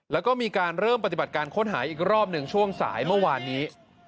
แล้วก็มีการเริ่มปฏิบัติการค้นหาอีกรอบหนึ่งช่วงสายเมื่อวานนี้